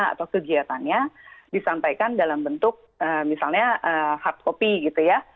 atau kegiatannya disampaikan dalam bentuk misalnya hard copy gitu ya